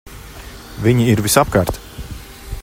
Viņi ir visapkārt!